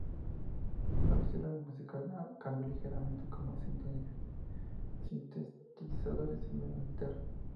El estilo musical cambió ligeramente, con más sintetizadores y menos guitarra.